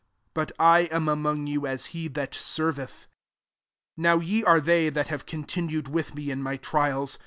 But I am feMAg you as he that senreth. K Mow f e are they that have tontmied with me in my trials.